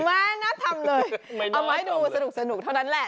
ไม่น่าทำเลยเอามาให้ดูสนุกเท่านั้นแหละ